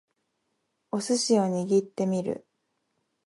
お寿司を握ってみる